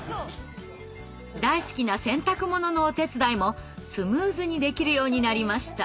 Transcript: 大好きな洗濯物のお手伝いもスムーズにできるようになりました。